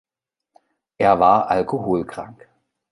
Er war alkoholkrank.